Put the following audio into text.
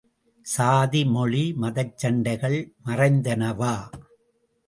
சாதி, மொழி, மதச்சண்டைகள் மறைந்தனவா?